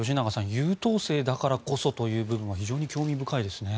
優等生だからこそという部分は非常に興味深いですね。